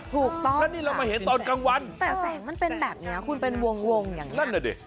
ถูกต้องค่ะสิ้นแสงแต่แสงมันเป็นแบบนี้คุณเป็นวงอย่างนี้